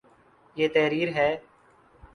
یہ تحریر ہے